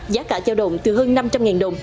giá cả trao đồng từ hơn năm trăm linh đồng